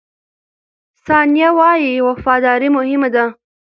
ثانیه وايي، وفاداري مهمه ده.